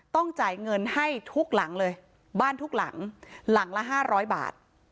ต้องจ่ายเงินให้ทุกหลังเลยบ้านทุกหลังหลังละ๕๐๐บาท